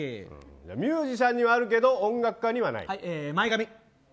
ミュージシャンにはあるけど音楽家にはない。